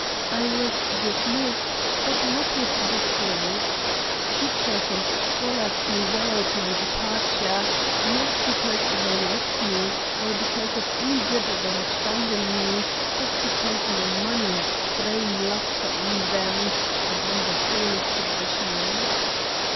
I was dismissed, but not with disgrace. Teachers and scholars bewailed my departure, not because they liked me, or because of any good they had found in me, but because my money had thrown luster on them and on the whole establishment.